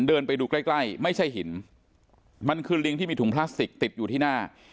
เดินไปดูใกล้ใกล้ไม่ใช่หินมันคือลิงที่มีถุงพลาสติกติดอยู่ที่หน้า